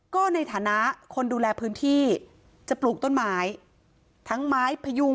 ก็ในฐานะคนดูแลพื้นที่จะปลูกต้นไม้ทั้งไม้พยุง